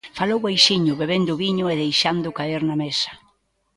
Falou baixiño, bebendo viño e deixándoo caer na mesa.